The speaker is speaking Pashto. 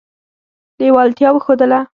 لېوالتیا وښودله.